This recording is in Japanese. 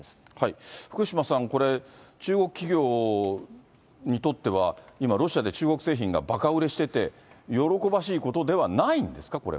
福島さん、これ、中国企業にとっては、今、ロシアで中国製品がばか売れしてて、喜ばしいことではないんですか？